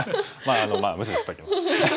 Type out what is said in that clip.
まあ無視しときましょう。